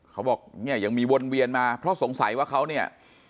เขาบอกเนี่ยยังมีวนเวียนมาเพราะสงสัยว่าเขาเนี่ย